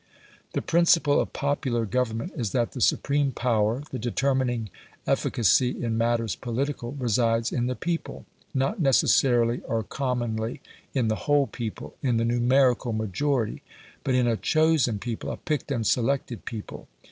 The principle of popular government is that the supreme power, the determining efficacy in matters political, resides in the people not necessarily or commonly in the whole people, in the numerical majority, but in a CHOSEN people, a picked and selected people.